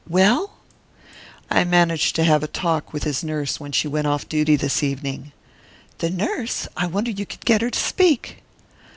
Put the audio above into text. "Well?" "I managed to have a talk with his nurse when she went off duty this evening." "The nurse? I wonder you could get her to speak."